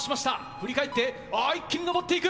振り返って、あー、一気に登っていく。